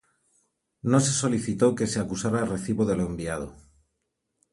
No se solicitó que se acusara recibo de lo enviado.